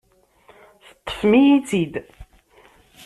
Teṭṭfem-iyi-tt-id.